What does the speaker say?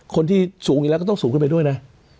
คนที่สูงอีกแล้วก็ต้องสูงขึ้นไปด้วยนะ